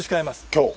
今日。